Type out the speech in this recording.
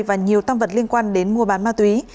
và nhiều tam vật liên quan đến mua bán ma túy